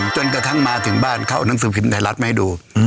กระทั่งมาถึงบ้านเขาเอาหนังสือพิมพ์ไทยรัฐมาให้ดู